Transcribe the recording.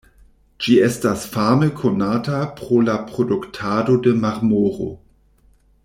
Ĝi estas fame konata pro la produktado de marmoro.